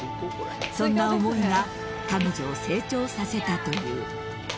そんな思いが彼女を成長させたという。